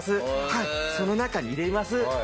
はいその中に入れます。